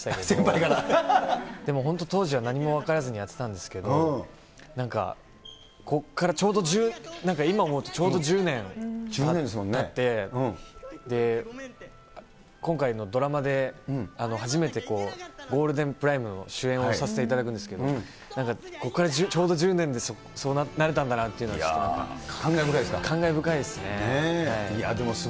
でも本当、当時は何も分からずにやってたんですけど、なんかこっからちょうど、今思うとちょうど１０年たって、今回のドラマで初めてゴールデンプライムの主演をさせていただくんですけど、なんかここからちょうど１０年でそうなれたんだなっていうのが、感慨深いですか？